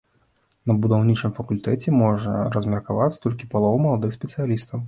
На будаўнічым факультэце можа размеркавацца толькі палова маладых спецыялістаў.